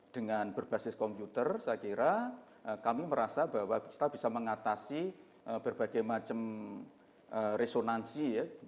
dengan berbasis komputer saya kira kami merasa bahwa kita bisa mengatasi berbagai macam resonansi